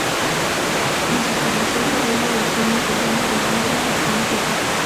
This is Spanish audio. Musicalizó y grabó una versión integral de la obra Martín Fierro.